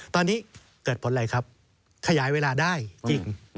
ตอนนี้เกิดผลอะไรครับขยายเวลาได้จริง